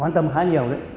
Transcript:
quan tâm khá nhiều đấy